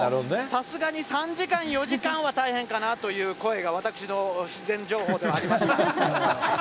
さすがに３時間、４時間は大変かなという声が、私の事前情報ではありました。